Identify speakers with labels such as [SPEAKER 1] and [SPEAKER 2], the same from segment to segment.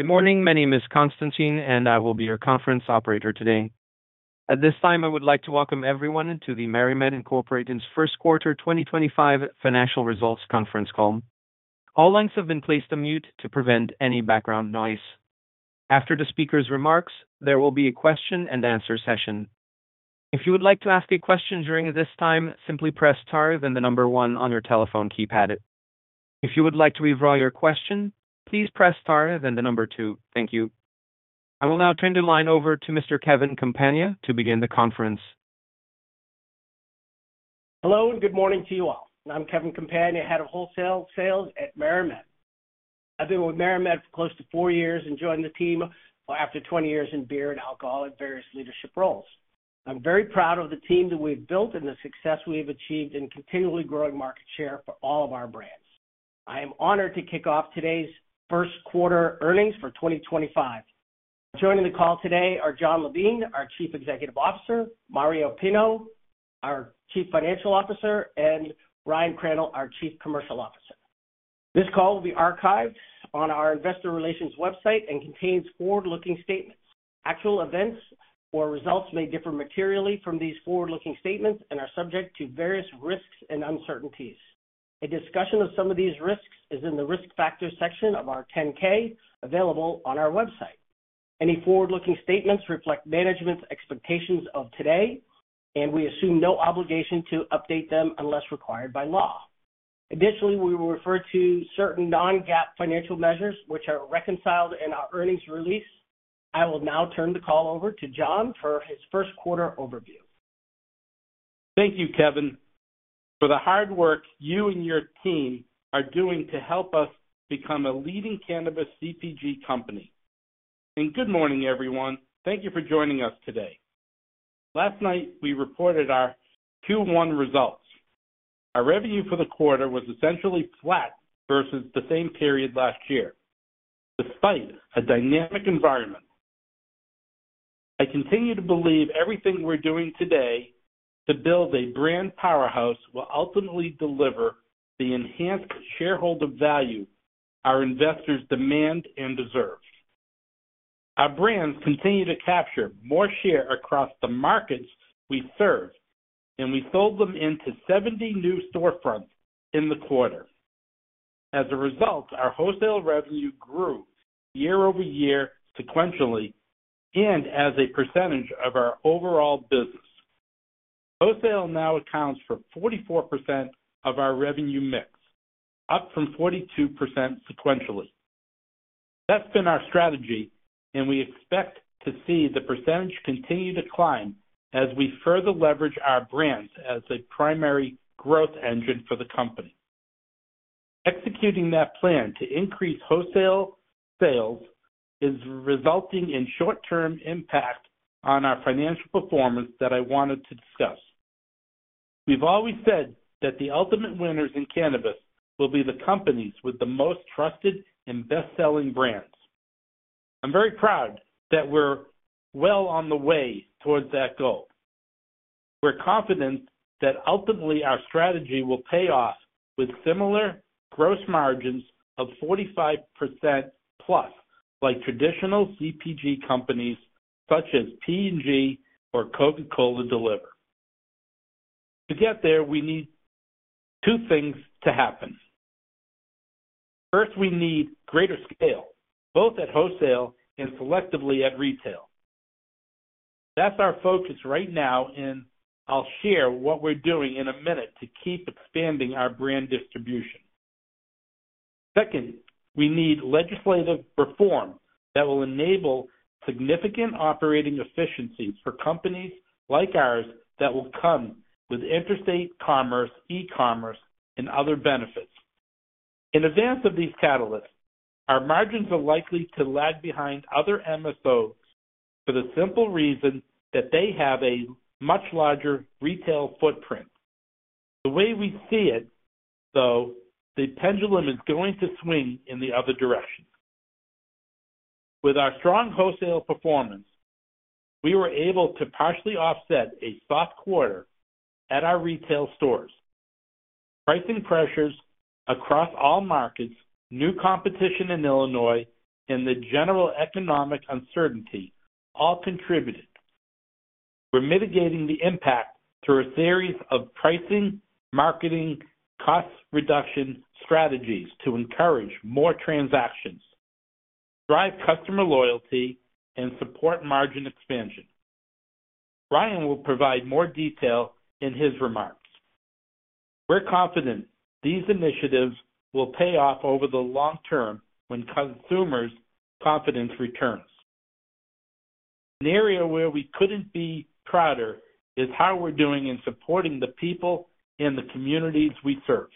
[SPEAKER 1] Good morning, my name is Konstantin, and I will be your conference operator today. At this time, I would like to welcome everyone to the MariMed Inc's First Quarter 2025 Financial Results conference call. All lines have been placed on mute to prevent any background noise. After the speaker's remarks, there will be a question-and-answer session. If you would like to ask a question during this time, simply press star then the number one on your telephone keypad. If you would like to withdraw your question, please press star then the number two. Thank you. I will now turn the line over to Mr. Kevin Compagna to begin the conference.
[SPEAKER 2] Hello and good morning to you all. I'm Kevin Compagna, Head of Wholesale Sales at MariMed. I've been with MariMed for close to four years and joined the team after 20 years in beer and alcohol and various leadership roles. I'm very proud of the team that we've built and the success we've achieved in continually growing market share for all of our brands. I am honored to kick off today's first quarter earnings for 2025. Joining the call today are Jon Levine, our Chief Executive Officer; Mario Pinho, our Chief Financial Officer; and Ryan Crandall, our Chief Commercial Officer. This call will be archived on our investor relations website and contains forward-looking statements. Actual events or results may differ materially from these forward-looking statements and are subject to various risks and uncertainties. A discussion of some of these risks is in the risk factor section of our 10-K available on our website. Any forward-looking statements reflect management's expectations of today, and we assume no obligation to update them unless required by law. Additionally, we will refer to certain non-GAAP financial measures which are reconciled in our earnings release. I will now turn the call over to Jon for his first quarter overview.
[SPEAKER 3] Thank you, Kevin. For the hard work you and your team are doing to help us become a leading cannabis CPG company. Good morning, everyone. Thank you for joining us today. Last night, we reported our Q1 results. Our revenue for the quarter was essentially flat versus the same period last year, despite a dynamic environment. I continue to believe everything we're doing today to build a brand powerhouse will ultimately deliver the enhanced shareholder value our investors demand and deserve. Our brands continue to capture more share across the markets we serve, and we sold them into 70 new storefronts in the quarter. As a result, our wholesale revenue grew year over year sequentially and as a percentage of our overall business. Wholesale now accounts for 44% of our revenue mix, up from 42% sequentially. That's been our strategy, and we expect to see the percentage continue to climb as we further leverage our brands as a primary growth engine for the company. Executing that plan to increase wholesale sales is resulting in short-term impact on our financial performance that I wanted to discuss. We've always said that the ultimate winners in cannabis will be the companies with the most trusted and best-selling brands. I'm very proud that we're well on the way towards that goal. We're confident that ultimately our strategy will pay off with similar gross margins of 45%+ like traditional CPG companies such as P&G or Coca-Cola. To get there, we need two things to happen. First, we need greater scale, both at wholesale and selectively at retail. That's our focus right now, and I'll share what we're doing in a minute to keep expanding our brand distribution. Second, we need legislative reform that will enable significant operating efficiencies for companies like ours that will come with interstate commerce, e-commerce, and other benefits. In advance of these catalysts, our margins are likely to lag behind other MSOs for the simple reason that they have a much larger retail footprint. The way we see it, though, the pendulum is going to swing in the other direction. With our strong wholesale performance, we were able to partially offset a soft quarter at our retail stores. Pricing pressures across all markets, new competition in Illinois, and the general economic uncertainty all contributed. We're mitigating the impact through a series of pricing, marketing, cost reduction strategies to encourage more transactions, drive customer loyalty, and support margin expansion. Ryan will provide more detail in his remarks. We're confident these initiatives will pay off over the long term when consumers' confidence returns. An area where we could not be prouder is how we are doing in supporting the people and the communities we serve.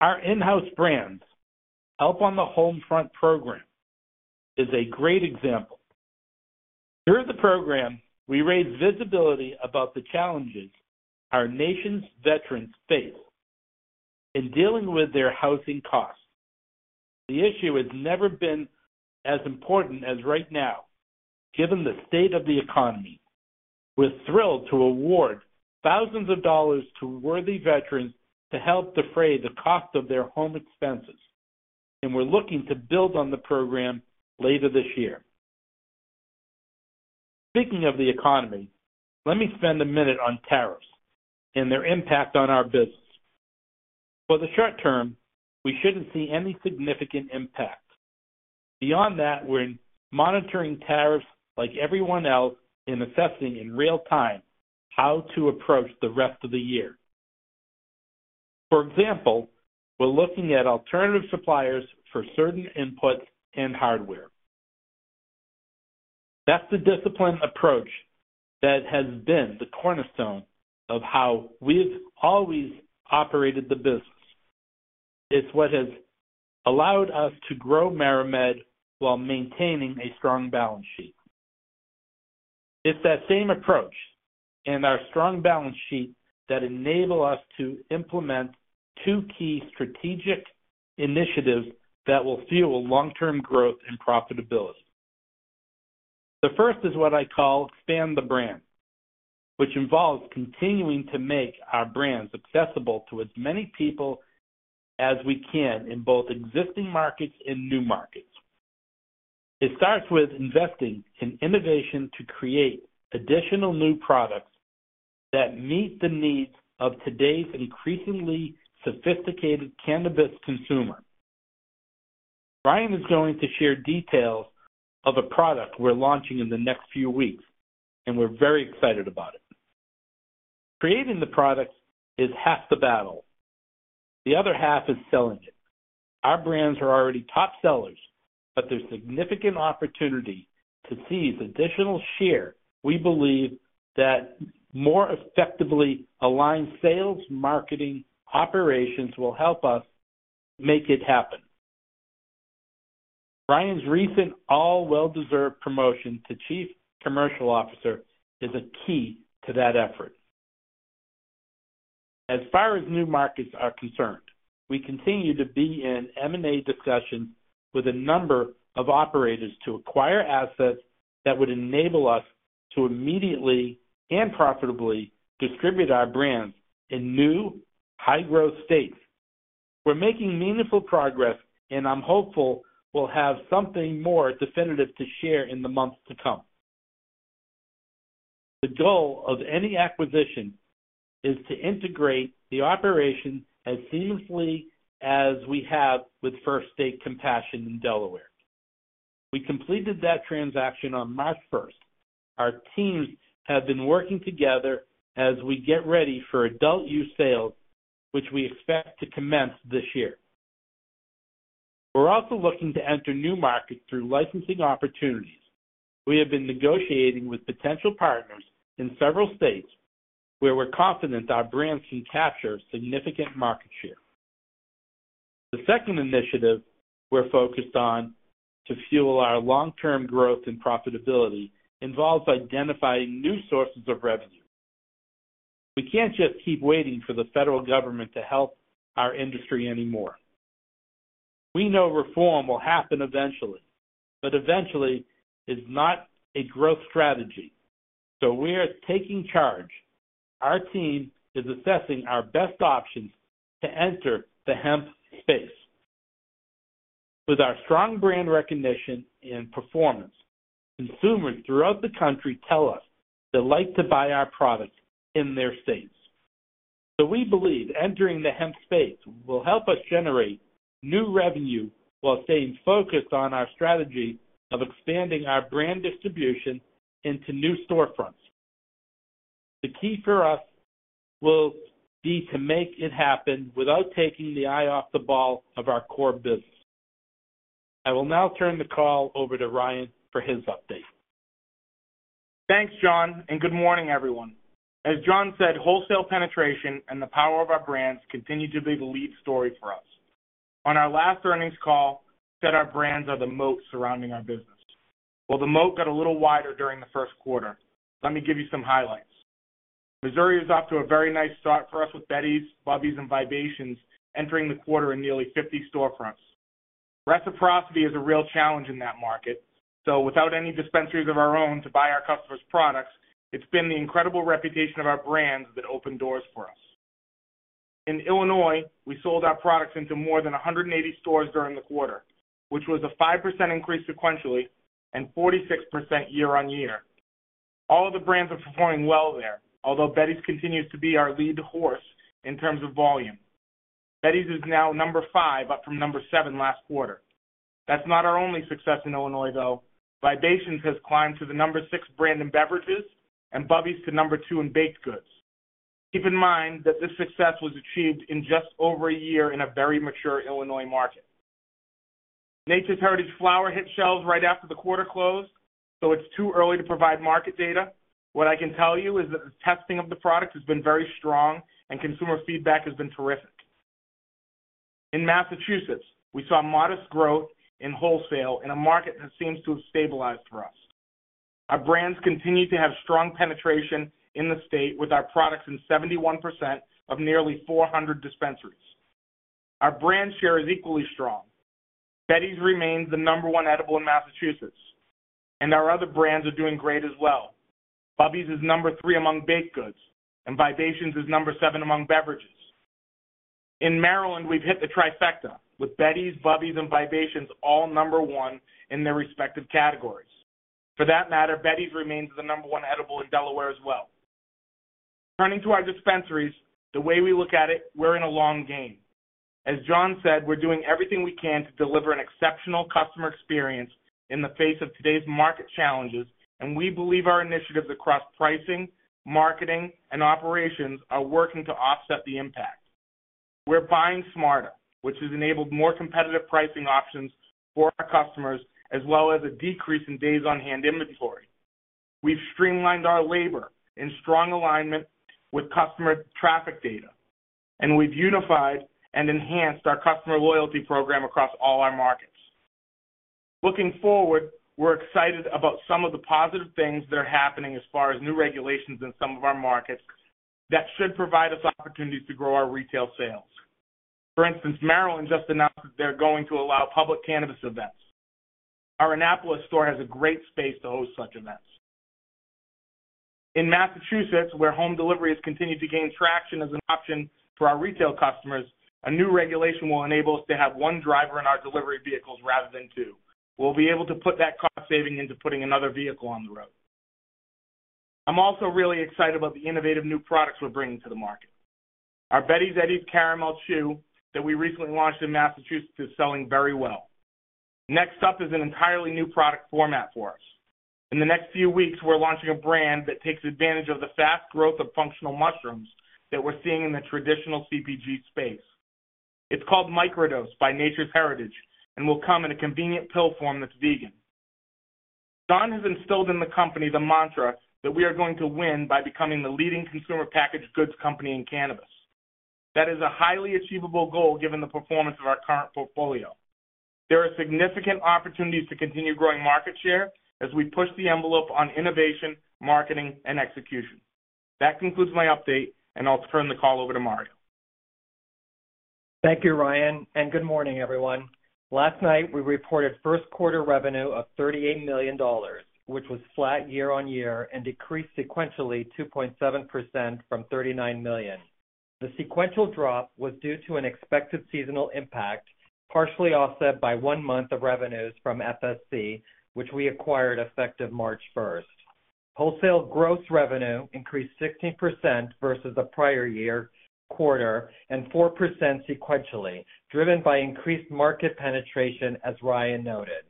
[SPEAKER 3] Our in-house brands, Help on the Home Front program, is a great example. Through the program, we raise visibility about the challenges our nation's veterans face in dealing with their housing costs. The issue has never been as important as right now, given the state of the economy. We are thrilled to award thousands of dollars to worthy veterans to help defray the cost of their home expenses, and we are looking to build on the program later this year. Speaking of the economy, let me spend a minute on tariffs and their impact on our business. For the short term, we should not see any significant impact. Beyond that, we are monitoring tariffs like everyone else in assessing in real time how to approach the rest of the year. For example, we're looking at alternative suppliers for certain inputs and hardware. That's the discipline approach that has been the cornerstone of how we've always operated the business. It's what has allowed us to grow MariMed while maintaining a strong balance sheet. It's that same approach and our strong balance sheet that enable us to implement two key strategic initiatives that will fuel long-term growth and profitability. The first is what I call expand the brand, which involves continuing to make our brands accessible to as many people as we can in both existing markets and new markets. It starts with investing in innovation to create additional new products that meet the needs of today's increasingly sophisticated cannabis consumer. Ryan is going to share details of a product we're launching in the next few weeks, and we're very excited about it. Creating the product is half the battle. The other half is selling it. Our brands are already top sellers, but there's significant opportunity to seize additional share. We believe that more effectively aligned sales marketing operations will help us make it happen. Ryan's recent all well-deserved promotion to Chief Commercial Officer is a key to that effort. As far as new markets are concerned, we continue to be in M&A discussions with a number of operators to acquire assets that would enable us to immediately and profitably distribute our brands in new high-growth states. We're making meaningful progress, and I'm hopeful we'll have something more definitive to share in the months to come. The goal of any acquisition is to integrate the operation as seamlessly as we have with First State Compassion in Delaware. We completed that transaction on March 1st. Our teams have been working together as we get ready for adult use sales, which we expect to commence this year. We're also looking to enter new markets through licensing opportunities. We have been negotiating with potential partners in several states where we're confident our brands can capture significant market share. The second initiative we're focused on to fuel our long-term growth and profitability involves identifying new sources of revenue. We can't just keep waiting for the federal government to help our industry anymore. We know reform will happen eventually, but eventually is not a growth strategy. We're taking charge. Our team is assessing our best options to enter the hemp space. With our strong brand recognition and performance, consumers throughout the country tell us they like to buy our products in their states. We believe entering the hemp space will help us generate new revenue while staying focused on our strategy of expanding our brand distribution into new storefronts. The key for us will be to make it happen without taking the eye off the ball of our core business. I will now turn the call over to Ryan for his update.
[SPEAKER 4] Thanks, Jon, and good morning, everyone. As Jon said, wholesale penetration and the power of our brands continue to be the lead story for us. On our last earnings call, we said our brands are the moat surrounding our business. The moat got a little wider during the first quarter. Let me give you some highlights. Missouri is off to a very nice start for us with Betty's, Bubby's, and Vibations entering the quarter in nearly 50 storefronts. Reciprocity is a real challenge in that market. Without any dispensaries of our own to buy our customers' products, it has been the incredible reputation of our brands that opened doors for us. In Illinois, we sold our products into more than 180 stores during the quarter, which was a 5% increase sequentially and 46% year on year. All of the brands are performing well there, although Betty's continues to be our lead horse in terms of volume. Betty's is now number five, up from number seven last quarter. That's not our only success in Illinois, though. Vibations has climbed to the number six brand in beverages and Bubby's to number two in baked goods. Keep in mind that this success was achieved in just over a year in a very mature Illinois market. Nature's Heritage flower hit shelves right after the quarter closed, so it's too early to provide market data. What I can tell you is that the testing of the product has been very strong, and consumer feedback has been terrific. In Massachusetts, we saw modest growth in wholesale in a market that seems to have stabilized for us. Our brands continue to have strong penetration in the state with our products in 71% of nearly 400 dispensaries. Our brand share is equally strong. Betty's remains the number one edible in Massachusetts, and our other brands are doing great as well. Bubby's is number three among baked goods, and Vibations is number seven among beverages. In Maryland, we've hit the trifecta with Betty's, Bubby's, and Vibations all number one in their respective categories. For that matter, Betty's remains the number one edible in Delaware as well. Turning to our dispensaries, the way we look at it, we're in a long game. As Jon said, we're doing everything we can to deliver an exceptional customer experience in the face of today's market challenges, and we believe our initiatives across pricing, marketing, and operations are working to offset the impact. We're buying smarter, which has enabled more competitive pricing options for our customers, as well as a decrease in days on hand inventory. We've streamlined our labor in strong alignment with customer traffic data, and we've unified and enhanced our customer loyalty program across all our markets. Looking forward, we're excited about some of the positive things that are happening as far as new regulations in some of our markets that should provide us opportunities to grow our retail sales. For instance, Maryland just announced that they're going to allow public cannabis events. Our Annapolis store has a great space to host such events. In Massachusetts, where home delivery has continued to gain traction as an option for our retail customers, a new regulation will enable us to have one driver in our delivery vehicles rather than two. We'll be able to put that cost saving into putting another vehicle on the road. I'm also really excited about the innovative new products we're bringing to the market. Our Betty's Eddie's caramel chew that we recently launched in Massachusetts is selling very well. Next up is an entirely new product format for us. In the next few weeks, we're launching a brand that takes advantage of the fast growth of functional mushrooms that we're seeing in the traditional CPG space. It's called Microdose by Nature's Heritage and will come in a convenient pill form that's vegan. Jon has instilled in the company the mantra that we are going to win by becoming the leading consumer packaged goods company in cannabis. That is a highly achievable goal given the performance of our current portfolio. There are significant opportunities to continue growing market share as we push the envelope on innovation, marketing, and execution. That concludes my update, and I'll turn the call over to Mario.
[SPEAKER 5] Thank you, Ryan, and good morning, everyone. Last night, we reported first quarter revenue of $38 million, which was flat year on year and decreased sequentially 2.7% from $39 million. The sequential drop was due to an expected seasonal impact, partially offset by one month of revenues from FSC, which we acquired effective March 1. Wholesale gross revenue increased 16% versus the prior year quarter and 4% sequentially, driven by increased market penetration, as Ryan noted.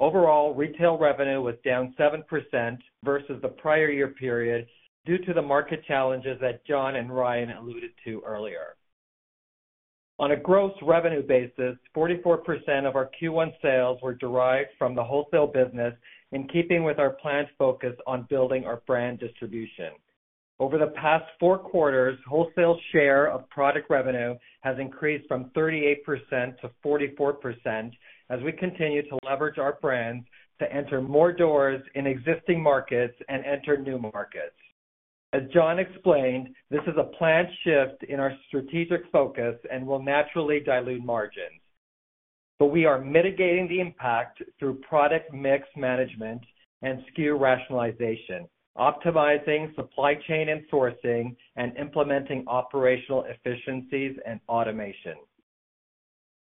[SPEAKER 5] Overall, retail revenue was down 7% versus the prior year period due to the market challenges that Jon and Ryan alluded to earlier. On a gross revenue basis, 44% of our Q1 sales were derived from the wholesale business in keeping with our planned focus on building our brand distribution. Over the past four quarters, wholesale share of product revenue has increased from 38% to 44% as we continue to leverage our brands to enter more doors in existing markets and enter new markets. As Jon explained, this is a planned shift in our strategic focus and will naturally dilute margins. We are mitigating the impact through product mix management and SKU rationalization, optimizing supply chain and sourcing, and implementing operational efficiencies and automation.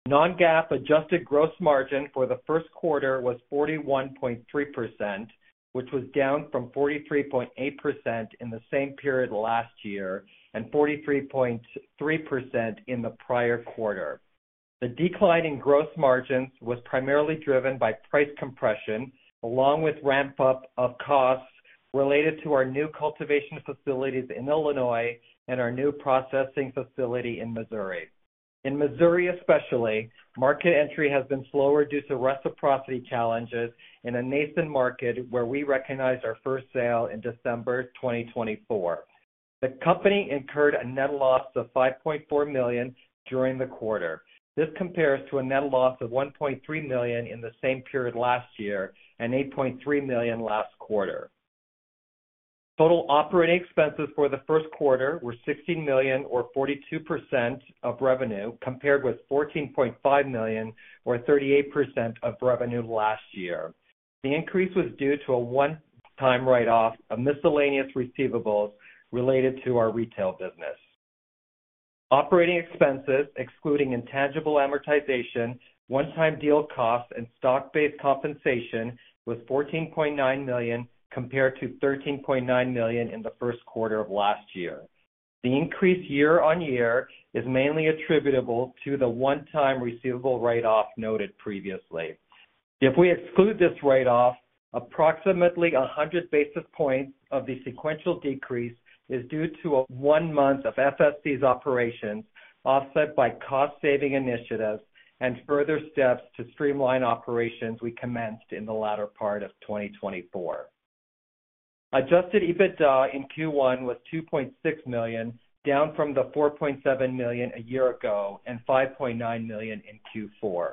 [SPEAKER 5] Non-GAAP adjusted gross margin for the first quarter was 41.3%, which was down from 43.8% in the same period last year and 43.3% in the prior quarter. The declining gross margins were primarily driven by price compression along with ramp-up of costs related to our new cultivation facilities in Illinois and our new processing facility in Missouri. In Missouri especially, market entry has been slower due to reciprocity challenges in a nascent market where we recognized our first sale in December 2024. The company incurred a net loss of $5.4 million during the quarter. This compares to a net loss of $1.3 million in the same period last year and $8.3 million last quarter. Total operating expenses for the first quarter were $16 million, or 42% of revenue, compared with $14.5 million, or 38% of revenue last year. The increase was due to a one-time write-off of miscellaneous receivables related to our retail business. Operating expenses, excluding intangible amortization, one-time deal costs, and stock-based compensation were $14.9 million compared to $13.9 million in the first quarter of last year. The increase year on year is mainly attributable to the one-time receivable write-off noted previously. If we exclude this write-off, approximately 100 basis points of the sequential decrease is due to one month of FSC's operations offset by cost-saving initiatives and further steps to streamline operations we commenced in the latter part of 2024. Adjusted EBITDA in Q1 was $2.6 million, down from the $4.7 million a year ago and $5.9 million in Q4.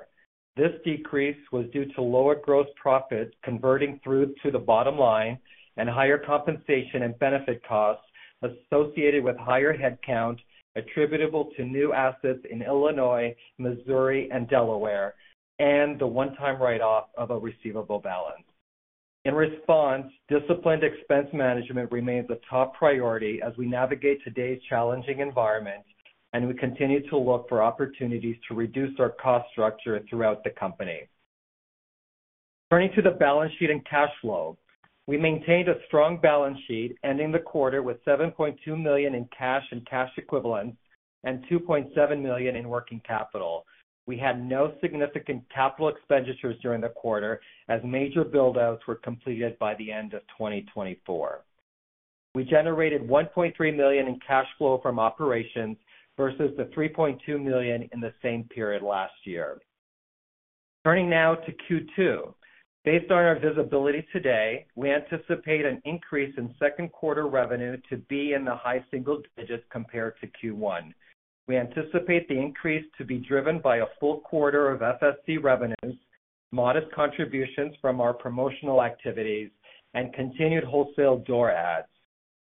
[SPEAKER 5] This decrease was due to lower gross profits converting through to the bottom line and higher compensation and benefit costs associated with higher headcount attributable to new assets in Illinois, Missouri, and Delaware, and the one-time write-off of a receivable balance. In response, disciplined expense management remains a top priority as we navigate today's challenging environment, and we continue to look for opportunities to reduce our cost structure throughout the company. Turning to the balance sheet and cash flow, we maintained a strong balance sheet, ending the quarter with $7.2 million in cash and cash equivalents and $2.7 million in working capital. We had no significant capital expenditures during the quarter as major buildouts were completed by the end of 2024. We generated $1.3 million in cash flow from operations versus the $3.2 million in the same period last year. Turning now to Q2, based on our visibility today, we anticipate an increase in second quarter revenue to be in the high single digits compared to Q1. We anticipate the increase to be driven by a full quarter of FSC revenues, modest contributions from our promotional activities, and continued wholesale door ads.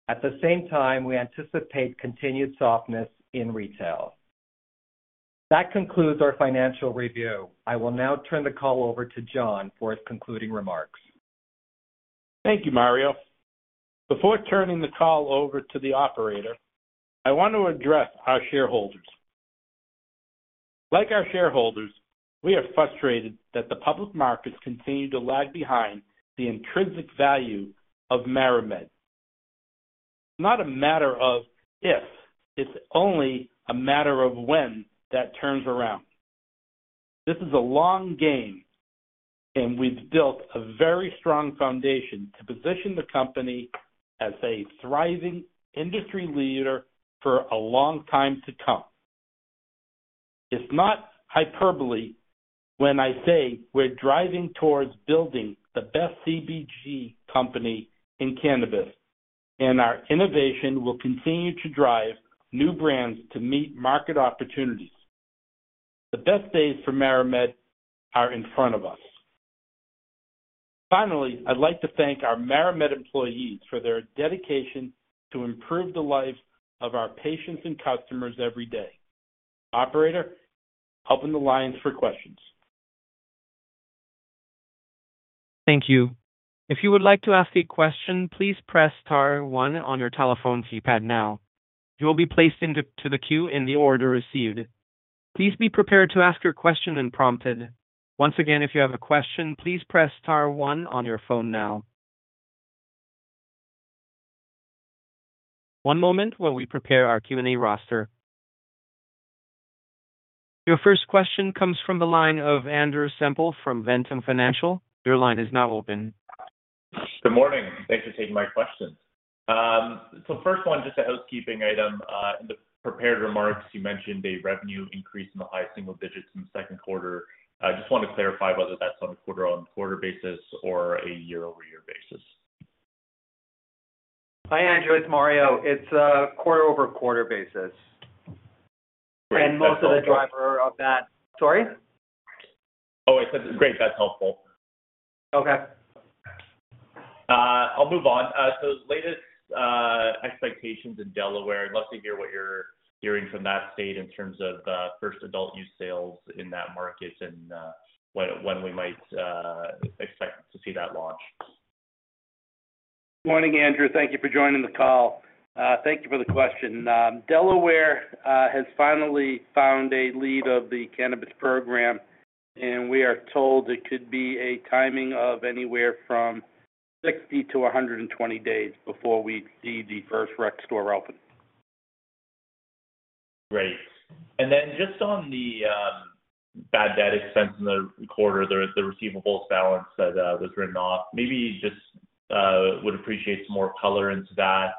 [SPEAKER 5] At the same time, we anticipate continued softness in retail. That concludes our financial review. I will now turn the call over to Jon for his concluding remarks.
[SPEAKER 3] Thank you, Mario. Before turning the call over to the operator, I want to address our shareholders. Like our shareholders, we are frustrated that the public markets continue to lag behind the intrinsic value of MariMed. It's not a matter of if; it's only a matter of when that turns around. This is a long game, and we've built a very strong foundation to position the company as a thriving industry leader for a long time to come. It's not hyperbole when I say we're driving towards building the best CPG company in cannabis, and our innovation will continue to drive new brands to meet market opportunities. The best days for MariMed are in front of us. Finally, I'd like to thank our MariMed employees for their dedication to improve the lives of our patients and customers every day. Operator, open the lines for questions.
[SPEAKER 1] Thank you. If you would like to ask a question, please press star one on your telephone keypad now. You will be placed into the queue in the order received. Please be prepared to ask your question when prompted. Once again, if you have a question, please press star one on your phone now. One moment while we prepare our Q&A roster. Your first question comes from the line of Andrew Semple from Ventum Financial. Your line is now open.
[SPEAKER 6] Good morning. Thanks for taking my question. First one, just a housekeeping item. In the prepared remarks, you mentioned a revenue increase in the high single digits in the second quarter. I just want to clarify whether that's on a quarter-on-quarter basis or a year-over-year basis.
[SPEAKER 5] Hi, Andrew. It's Mario. It's a quarter-over-quarter basis.
[SPEAKER 6] Great.
[SPEAKER 5] Most of the driver of that. Sorry?
[SPEAKER 6] Oh, I said great. That's helpful.
[SPEAKER 5] Okay.
[SPEAKER 6] I'll move on. Latest expectations in Delaware, I'd love to hear what you're hearing from that state in terms of first adult use sales in that market and when we might expect to see that launch.
[SPEAKER 3] Good morning, Andrew. Thank you for joining the call. Thank you for the question. Delaware has finally found a lead of the cannabis program, and we are told it could be a timing of anywhere from 60 to 120 days before we see the first rec store open.
[SPEAKER 6] Great. Just on the bad debt expense in the quarter, the receivables balance that was written off, maybe just would appreciate some more color into that.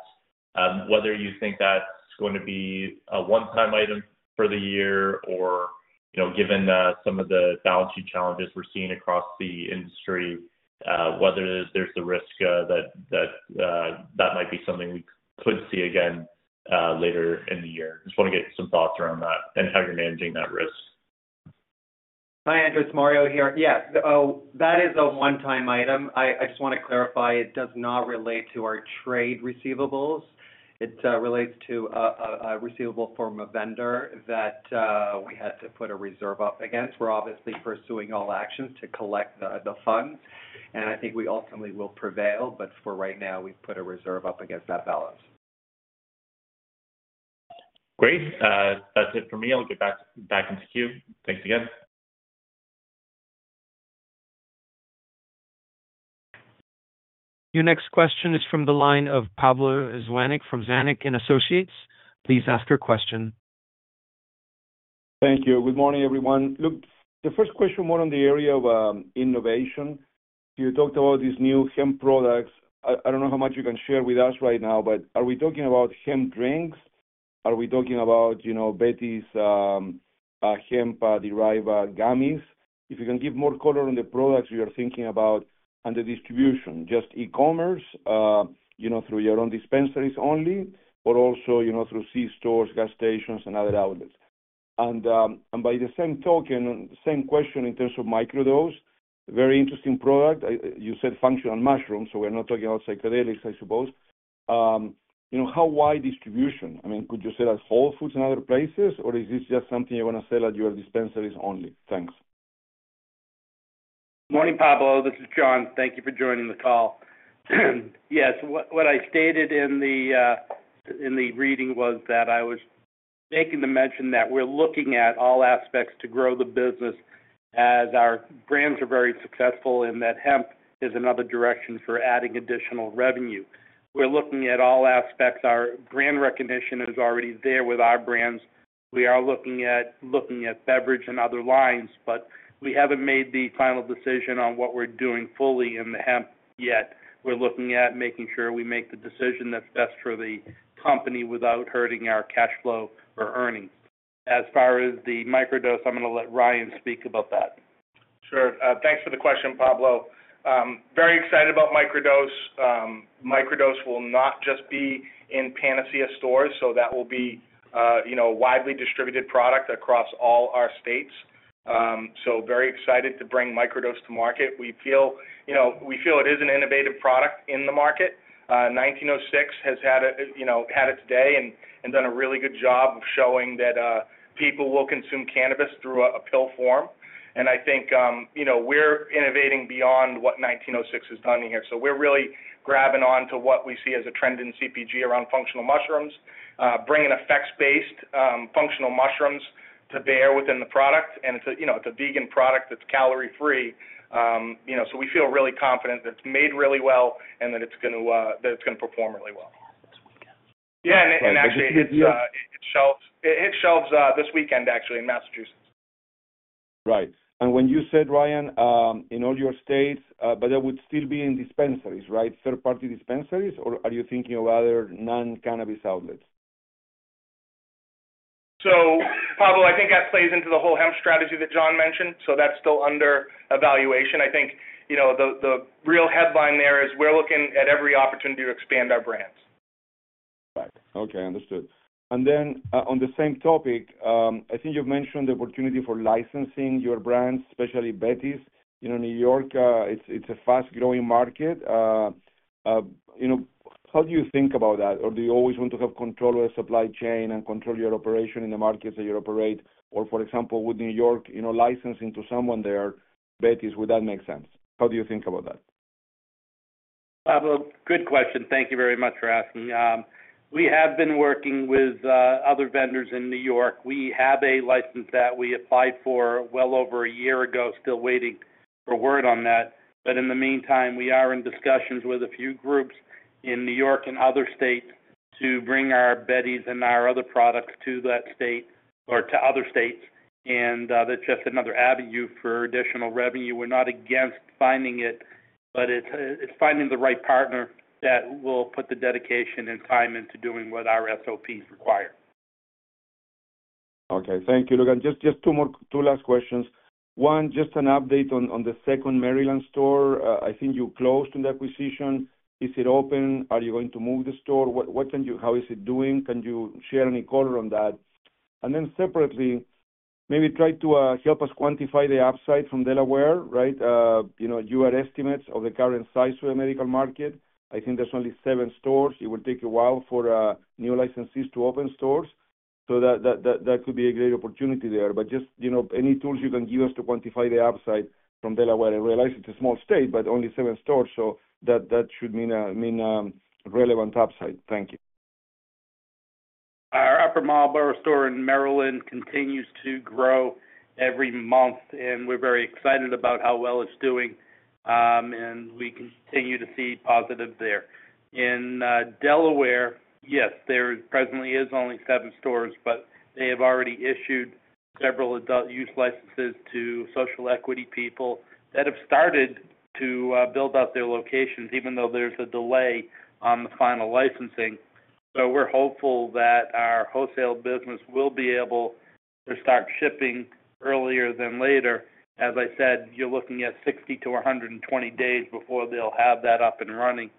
[SPEAKER 6] Whether you think that's going to be a one-time item for the year or given some of the balance sheet challenges we're seeing across the industry, whether there's the risk that that might be something we could see again later in the year. Just want to get some thoughts around that and how you're managing that risk.
[SPEAKER 5] Hi, Andrew. It's Mario here. Yeah. That is a one-time item. I just want to clarify it does not relate to our trade receivables. It relates to a receivable from a vendor that we had to put a reserve up against. We're obviously pursuing all actions to collect the funds, and I think we ultimately will prevail. For right now, we've put a reserve up against that balance.
[SPEAKER 6] Great. That's it for me. I'll get back into queue. Thanks again.
[SPEAKER 1] Your next question is from the line of Pablo Zuanic from Zuanic & Associates. Please ask your question.
[SPEAKER 7] Thank you. Good morning, everyone. Look, the first question was on the area of innovation. You talked about these new hemp products. I do not know how much you can share with us right now, but are we talking about hemp drinks? Are we talking about Betty's hemp-derived gummies? If you can give more color on the products we are thinking about and the distribution, just e-commerce through your own dispensaries only, but also through C-stores, gas stations, and other outlets. By the same token, same question in terms of Microdose, very interesting product. You said functional mushrooms, so we are not talking about psychedelics, I suppose. How wide distribution? I mean, could you sell at Whole Foods and other places, or is this just something you are going to sell at your dispensaries only? Thanks.
[SPEAKER 3] Good morning, Pablo. This is Jon. Thank you for joining the call. Yes, what I stated in the reading was that I was making the mention that we're looking at all aspects to grow the business as our brands are very successful and that hemp is another direction for adding additional revenue. We're looking at all aspects. Our brand recognition is already there with our brands. We are looking at beverage and other lines, but we haven't made the final decision on what we're doing fully in the hemp yet. We're looking at making sure we make the decision that's best for the company without hurting our cash flow or earnings. As far as the Microdose, I'm going to let Ryan speak about that.
[SPEAKER 4] Sure. Thanks for the question, Pablo. Very excited about Microdose. Microdose will not just be in panacea stores, so that will be a widely distributed product across all our states. Very excited to bring Microdose to market. We feel it is an innovative product in the market. 1906 has had its day and done a really good job of showing that people will consume cannabis through a pill form. I think we're innovating beyond what 1906 has done here. We're really grabbing on to what we see as a trend in CPG around functional mushrooms, bringing effects-based functional mushrooms to bear within the product. It's a vegan product that's calorie-free. We feel really confident that it's made really well and that it's going to perform really well. Yeah. Actually, it hit shelves this weekend, actually, in Massachusetts.
[SPEAKER 7] Right. When you said, Ryan, in all your states, there would still be in dispensaries, right? Third-party dispensaries, or are you thinking of other non-cannabis outlets?
[SPEAKER 4] Pablo, I think that plays into the whole hemp strategy that Jon mentioned. That is still under evaluation. I think the real headline there is we're looking at every opportunity to expand our brands.
[SPEAKER 7] Right. Okay. Understood. On the same topic, I think you've mentioned the opportunity for licensing your brands, especially Betty's. New York, it's a fast-growing market. How do you think about that? Do you always want to have control of the supply chain and control your operation in the markets that you operate? For example, with New York, licensing to someone there, Betty's, would that make sense? How do you think about that?
[SPEAKER 3] Pablo, good question. Thank you very much for asking. We have been working with other vendors in New York. We have a license that we applied for well over a year ago, still waiting for word on that. In the meantime, we are in discussions with a few groups in New York and other states to bring our Betty's and our other products to that state or to other states. That's just another avenue for additional revenue. We're not against finding it, but it's finding the right partner that will put the dedication and time into doing what our SOPs require.
[SPEAKER 7] Okay. Thank you. Look, just two last questions. One, just an update on the second Maryland store. I think you closed on the acquisition. Is it open? Are you going to move the store? How is it doing? Can you share any color on that? Then separately, maybe try to help us quantify the upside from Delaware, right? Your estimates of the current size of the medical market. I think there are only seven stores. It will take a while for new licensees to open stores. That could be a great opportunity there. Just any tools you can give us to quantify the upside from Delaware. I realize it is a small state, but only seven stores. That should mean a relevant upside. Thank you.
[SPEAKER 3] Our Upper Marlborough store in Maryland continues to grow every month, and we're very excited about how well it's doing. We continue to see positives there. In Delaware, yes, there presently is only seven stores, but they have already issued several adult use licenses to social equity people that have started to build out their locations, even though there's a delay on the final licensing. We're hopeful that our wholesale business will be able to start shipping earlier than later. As I said, you're looking at 60 to 120 days before they'll have that up and running.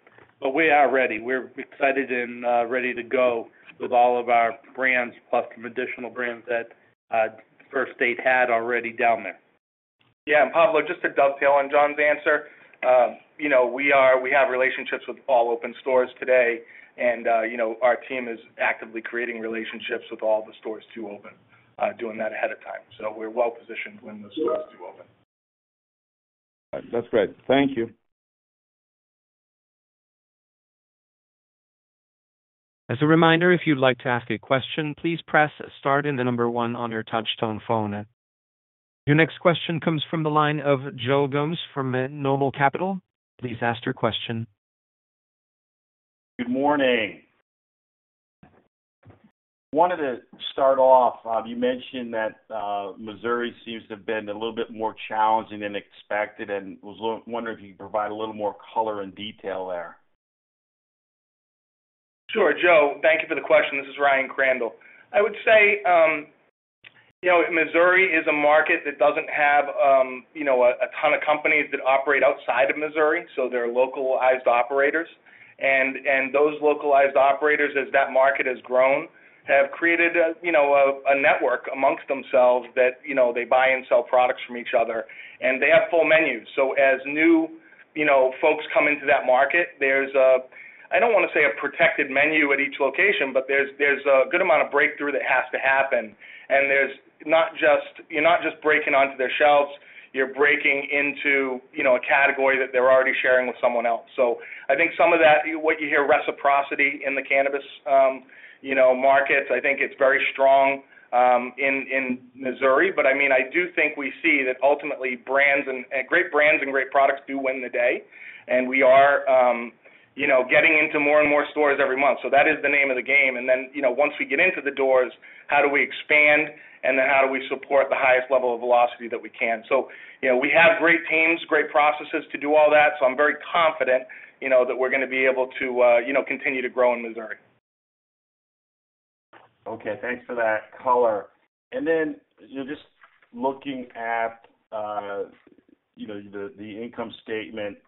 [SPEAKER 3] We are ready. We're excited and ready to go with all of our brands, plus some additional brands that the First State had already down there. Yeah.
[SPEAKER 4] Pablo, just to dovetail on Jon's answer, we have relationships with all open stores today, and our team is actively creating relationships with all the stores to open, doing that ahead of time. We are well-positioned when those stores do open.
[SPEAKER 7] That's great. Thank you.
[SPEAKER 1] As a reminder, if you'd like to ask a question, please press star and the number one on your touch-tone phone. Your next question comes from the line of Joe Gomes from NOBLE Capital. Please ask your question.
[SPEAKER 8] Good morning. Wanted to start off, you mentioned that Missouri seems to have been a little bit more challenging than expected, and was wondering if you could provide a little more color and detail there.
[SPEAKER 4] Sure, Joe. Thank you for the question. This is Ryan Crandall. I would say Missouri is a market that does not have a ton of companies that operate outside of Missouri. They are localized operators. Those localized operators, as that market has grown, have created a network amongst themselves that they buy and sell products from each other. They have full menus. As new folks come into that market, there is a—I do not want to say a protected menu at each location, but there is a good amount of breakthrough that has to happen. You are not just breaking onto their shelves. You are breaking into a category that they are already sharing with someone else. I think some of that, what you hear, reciprocity in the cannabis markets, I think it is very strong in Missouri. I mean, I do think we see that ultimately great brands and great products do win the day. We are getting into more and more stores every month. That is the name of the game. Once we get into the doors, how do we expand, and then how do we support the highest level of velocity that we can? We have great teams, great processes to do all that. I'm very confident that we're going to be able to continue to grow in Missouri.
[SPEAKER 8] Okay. Thanks for that color. Then just looking at the income statement,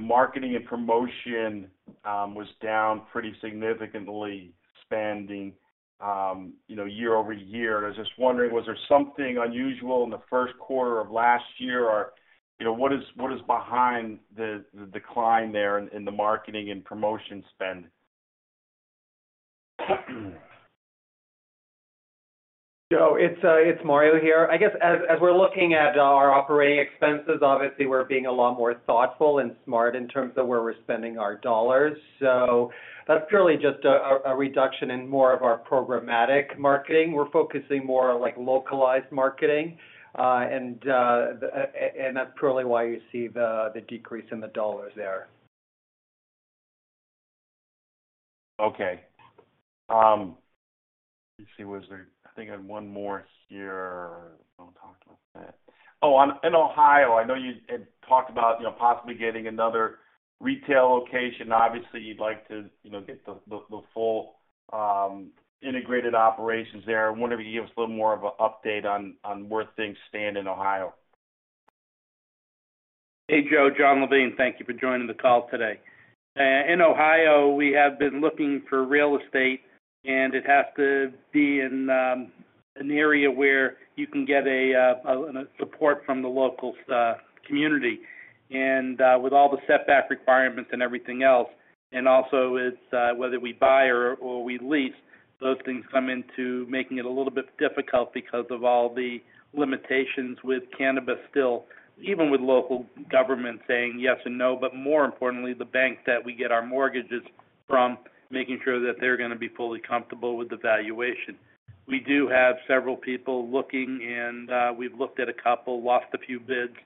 [SPEAKER 8] marketing and promotion was down pretty significantly, spending year-over-year. I was just wondering, was there something unusual in the first quarter of last year, or what is behind the decline there in the marketing and promotion spend?
[SPEAKER 5] Joe, it's Mario here. I guess as we're looking at our operating expenses, obviously, we're being a lot more thoughtful and smart in terms of where we're spending our dollars. That's purely just a reduction in more of our programmatic marketing. We're focusing more on localized marketing, and that's purely why you see the decrease in the dollars there.
[SPEAKER 8] Okay. Let me see. I think I have one more here. I do not talk too much. Oh, in Ohio, I know you had talked about possibly getting another retail location. Obviously, you would like to get the full integrated operations there. I wonder if you can give us a little more of an update on where things stand in Ohio.
[SPEAKER 3] Hey, Joe. Jon Levine, thank you for joining the call today. In Ohio, we have been looking for real estate, and it has to be in an area where you can get support from the local community. With all the setback requirements and everything else, and also whether we buy or we lease, those things come into making it a little bit difficult because of all the limitations with cannabis still, even with local government saying yes and no, but more importantly, the bank that we get our mortgages from, making sure that they're going to be fully comfortable with the valuation. We do have several people looking, and we've looked at a couple, lost a few bids,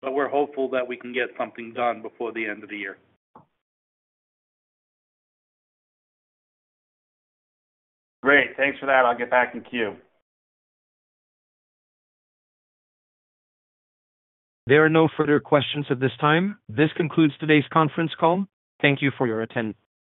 [SPEAKER 3] but we're hopeful that we can get something done before the end of the year.
[SPEAKER 8] Great. Thanks for that. I'll get back in queue.
[SPEAKER 1] There are no further questions at this time. This concludes today's conference call. Thank you for your attendance.